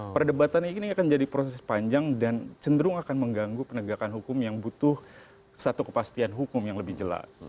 perdebatan ini akan jadi proses panjang dan cenderung akan mengganggu penegakan hukum yang butuh satu kepastian hukum yang lebih jelas